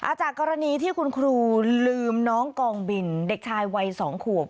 จากกรณีที่คุณครูลืมน้องกองบินเด็กชายวัยสองขวบ